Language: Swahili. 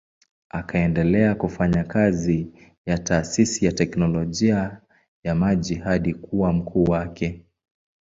Akaendelea kufanya kazi ya taasisi ya teknolojia ya maji hadi kuwa mkuu wake.